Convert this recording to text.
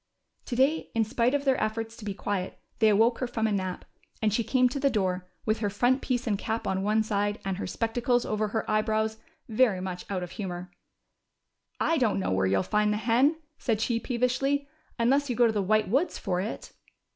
To day in spite of their efforts to be quiet they awoke her from a nap, and she came to THE SILVER HEN. 259 the door, with her front piece and cap on one side, and her spectacles over her eyebrows, very much out of humor. I don't know where you'll find the hen," said she peevishly, unless you go to the White Woods for it."